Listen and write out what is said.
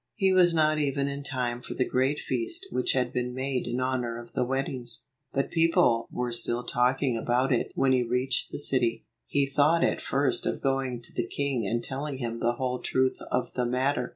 He was not even in time for the great feast which had been made in honor of the weddings, but people were still talking about it when he reached the city. He thought at first of going to the king and telling him the whole truth of the matter.